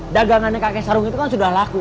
dagangannya kakek sarung itu kan sudah laku